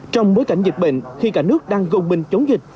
trong bối cảnh dịch bệnh khi cả nước đang gồng mình chống dịch